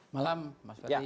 malam mas fadli